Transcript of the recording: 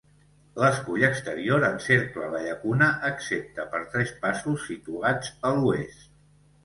L'escull exterior encercla la llacuna excepte per tres passos situats a l'oest.